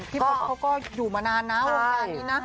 ที่บอบเขาก็อยู่มานานนะโลกงารนี้นะ